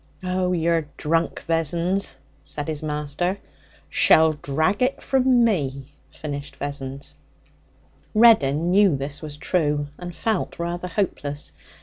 'Oh, you're drunk, Vessons!' said his master. 'Shall drag it from me,' finished Vessons. Reddin knew this was true, and felt rather hopeless.